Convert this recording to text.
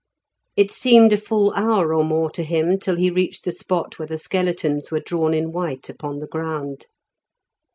It seemed a full hour or more to him till he reached the spot where the skeletons were drawn in white upon the ground.